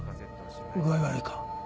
具合悪いか？